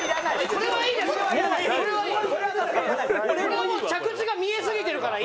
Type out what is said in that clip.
これはもう着地が見えすぎてるからいいです。